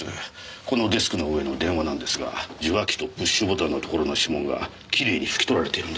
このデスクの上の電話なんですが受話器とプッシュボタンのところの指紋がきれいに拭き取られているんです。